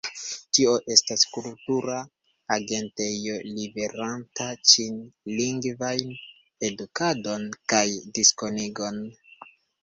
Tio estas kultura agentejo liveranta ĉinlingvajn edukadon kaj diskonigon.